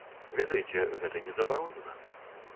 Ведаеце, гэта не забаронена.